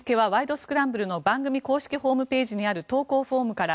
スクランブル」の番組公式ホームページにある投稿フォームから。